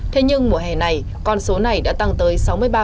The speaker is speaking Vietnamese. thế nhưng mùa hè này con số này đã tăng tới sáu mươi ba